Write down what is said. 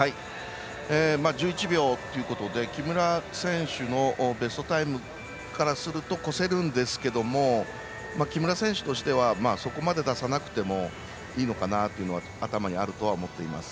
１１秒ということで木村選手のベストタイムからすると超せるんですけども木村選手としてはそこまで出さなくてもいいのかなというのが頭にあるのかなと思っています。